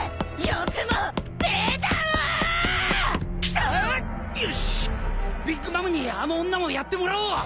よしビッグ・マムにあの女もやってもらおう！